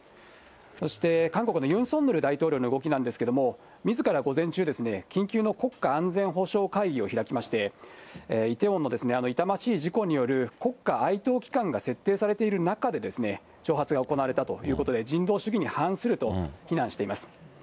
そして、韓国のユン・ソンニョル大統領の動きなんですけれども、みずから午前中、緊急の国家安全保障会議を開きまして、イテウォンのあの痛ましい事故による国家哀悼期間が設定されている中で挑発が行われたということで、人道主義に反すると非難しています。